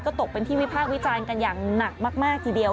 ตกเป็นที่วิพากษ์วิจารณ์กันอย่างหนักมากทีเดียว